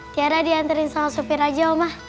tiara diantarin sama supir aja omah